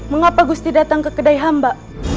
mengapa gusti datang ke kedai hamba